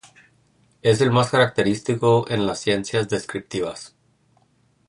Es el más característico en las ciencias descriptivas.